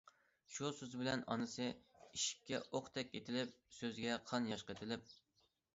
شۇ سۆز بىلەن ئانىسى، ئىشىككە ئوقتەك ئېتىلىپ، سۆزگە قان- ياش قېتىلىپ.